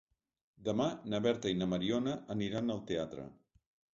Demà na Berta i na Mariona aniran al teatre.